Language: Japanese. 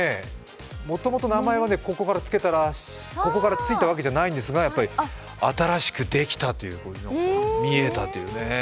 もともと名前はここからついたわけじゃないんですが新しくできたという、見えたというね。